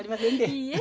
いいえ。